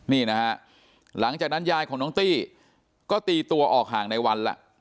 นี่นะฮะหลังจากนั้นยายของน้องตี้ก็ตีตัวออกห่างในวันละ